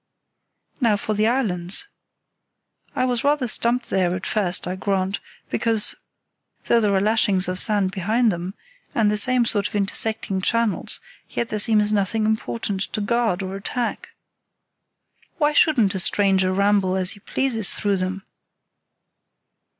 "Now for the islands. I was rather stumped there at first, I grant, because, though there are lashings of sand behind them, and the same sort of intersecting channels, yet there seems nothing important to guard or attack. "Why shouldn't a stranger ramble as he pleases through them?